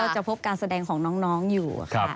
จะพบการแสดงของน้องอยู่